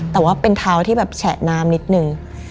แต่ว่าเป็นเท้าที่แบบแฉะน้ำนิดนึง